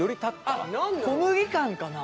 あっ小麦感かな。